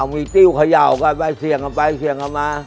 มีติ้วเขย่ากันไปเสี่ยงกันไปเสี่ยงกันมา